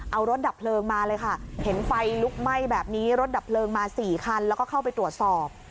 เอารถดับเพลิงมาเลยค่ะเห็นไฟลุกไหม้แบบนี้รถดับเพลิงมา๔คันแล้วก็เข้าไปตรวจสอบ